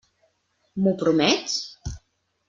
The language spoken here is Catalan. M'ho promets?